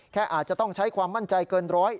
อาจจะต้องใช้ความมั่นใจเกินร้อย